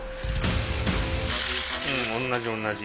うん同じ同じ。